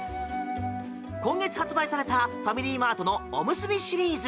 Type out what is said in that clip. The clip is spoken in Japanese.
今月発売されたファミリーマートのおむすびシリーズ。